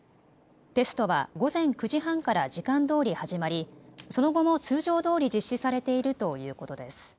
テストは午前９時半から時間どおり始まり、その後も通常どおり実施されているということです。